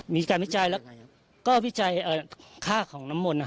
มีการวิจัยแล้วก็วิจัยค่าของน้ำมนต์